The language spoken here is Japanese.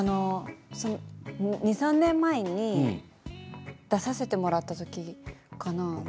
２、３年前に出させてもらった時かな。